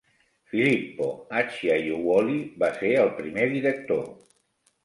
Filippo Acciaiuoli va ser el primer director.